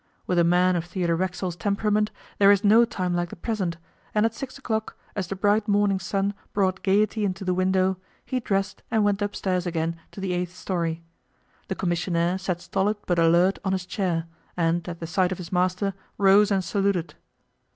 With a man of Theodore Racksole's temperament there is no time like the present, and at six o'clock, as the bright morning sun brought gaiety into the window, he dressed and went upstairs again to the eighth storey. The commissionaire sat stolid, but alert on his chair, and, at the sight of his master, rose and saluted.